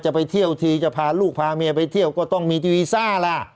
ไปเที่ยวทีจะพาลูกพาเมียไปเที่ยวก็ต้องมีทีวีซ่าล่ะ